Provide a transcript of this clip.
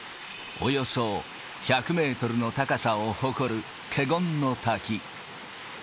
およそ１００メートルの高さを誇る華厳の滝。